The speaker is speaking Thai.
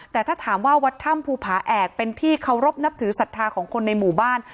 แต่ถ้าถามว่าวัดถ้ำภูผาแอกเป็นที่เคารพนับถือศรัทธาของคนในหมู่บ้าน